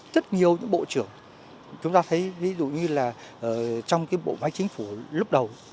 rất nhiều bộ trưởng chúng ta thấy ví dụ như trong bộ máy chính phủ lúc đầu